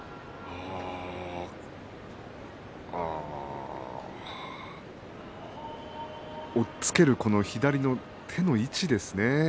ああ、押っつけるこの左の手の位置ですね。